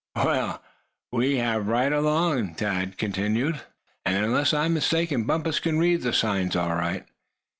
"Well, we have, right along," Thad continued, "and unless I'm much mistaken, Bumpus can read the signs all right.